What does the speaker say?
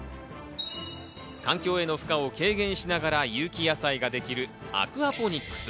環境への負荷を軽減しながら有機野菜ができるアクアポニックス。